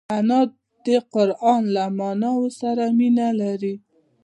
انا د قران له معناوو سره مینه لري